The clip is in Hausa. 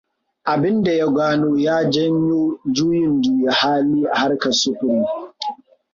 Abinda ya gano ya janyo juyin juya hali a harkar sufuri.